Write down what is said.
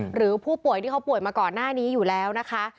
หรือผู้ป่วยที่เขาป่วยมาก่อนหน้านี้อยู่แล้วนะคะ